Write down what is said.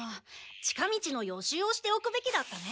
近道の予習をしておくべきだったね。